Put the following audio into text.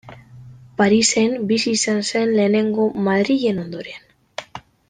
Parisen bizi izan zen lehenengo, Madrilen ondoren.